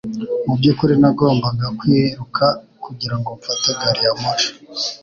Mu byukuri nagombaga kwiruka kugirango mfate gari ya moshi